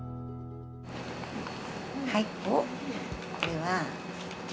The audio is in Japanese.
はい。